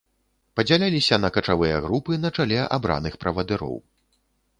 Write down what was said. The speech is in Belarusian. Падзяляліся на качавыя групы на чале абраных правадыроў.